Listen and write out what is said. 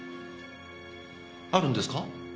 あるんですか？